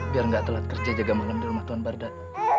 biar gak telat kerja jaga malam di rumah tuhan bardak